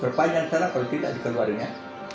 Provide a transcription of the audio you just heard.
perpanjangan salah kalau tidak dikeluarin ya